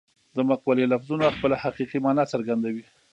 د مقولې لفظونه خپله حقیقي مانا څرګندوي